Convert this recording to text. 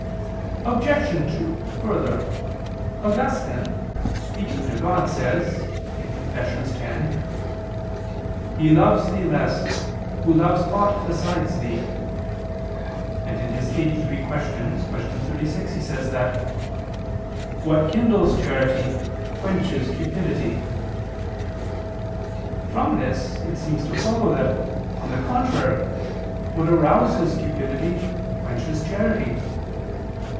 Obj. 2: Further, Augustine, speaking to God, says (Confess. x) "He loves Thee less, who loves aught besides Thee": and (Qq. lxxxiii, qu. 36) he says that "what kindles charity quenches cupidity." From this it seems to follow that, on the contrary, what arouses cupidity quenches charity.